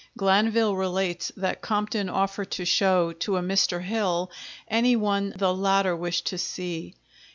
Glanvil relates that Compton offered to show to a Mr. Hill any one the latter wished to see.